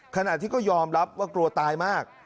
ขณะที่ก็ยอมรับว่ากลัวตายมาก